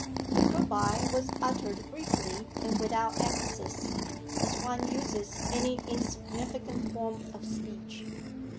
The 'good bye' was uttered briefly and without emphasis, as one uses any insignificant form of speech.